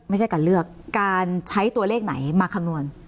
ไม่ใช่การเลือกการใช้ตัวเลขไหนมาคำนวณ